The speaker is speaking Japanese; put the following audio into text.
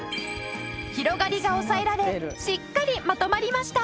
広がりが抑えられしっかりまとまりました。